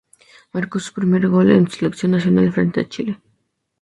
Marcó su primer gol en Selección Nacional frente a Chile.